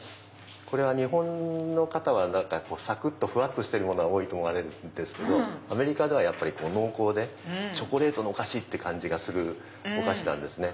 日本の方はサクっとふわっとしたものが多いと思われるけどアメリカでは濃厚でチョコレートのお菓子！って感じがするお菓子なんですね。